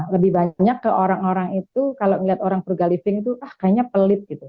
lebih banyak ke orang orang itu kalau ngeliat orang frugal living itu ah kayaknya pelit gitu